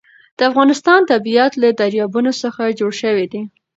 د افغانستان طبیعت له دریابونه څخه جوړ شوی دی.